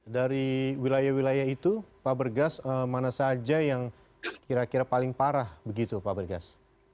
dari wilayah wilayah itu pak bergas mana saja yang kira kira paling parah begitu pak bergas